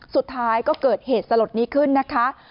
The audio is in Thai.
สุดท้ายก็เกิดเหตุสลดนี้ขึ้นนะคะ